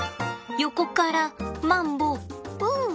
横からマンボウ！